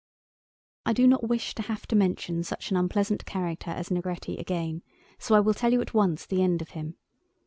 I do not wish to have to mention such an unpleasant character as Negretti again, so I will tell you at once the end of him.